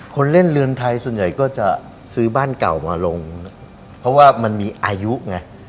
คนเล่นเรือนไทยส่วนใหญ่ก็จะซื้อบ้านเก่ามาลงเพราะว่ามันมีอายุไง